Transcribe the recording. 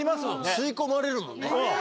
吸い込まれるもんね。